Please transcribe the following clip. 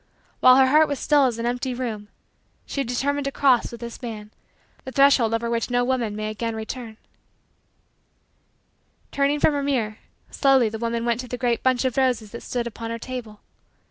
While her heart was still as an empty room, she had determined to cross, with this man, the threshold over which no woman may again return. Turning from her mirror, slowly the woman went to the great bunch of roses that stood upon her table.